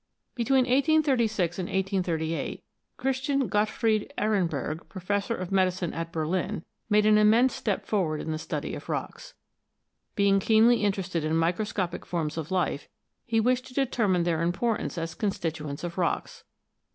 Between 1836 and 1838, Christian Gottfried Ehrenberg, Professor of Medicine at Berlin, made an immense step forward in the study of rocks. Being keenly interested in microscopic forms of life, he wished to determine their importance as constituents of rocks.